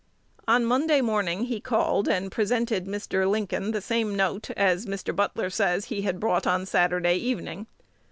On Monday morning he called and presented Mr. Lincoln the same note as, Mr. Butler says, he had brought on Saturday evening.